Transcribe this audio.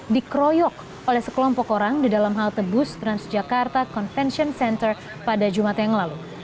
dikeroyok oleh sekelompok orang di dalam halte bus transjakarta convention center pada jumat yang lalu